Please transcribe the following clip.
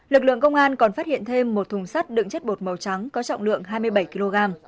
lực lượng công an còn phát hiện thêm một thùng sắt đựng chất bột màu trắng có trọng lượng hai mươi bảy kg